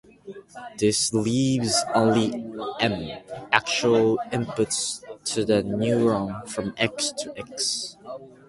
This leaves only "m" actual inputs to the neuron: from "x" to "x".